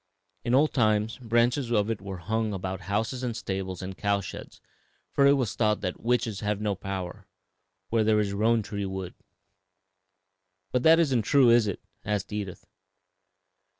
In old times branches of it were hung about houses and stables and cow sheds, for it was thought that "'witches have no power Where there is roan tree wood.'" "But that isn't true, is it?" asked Edith.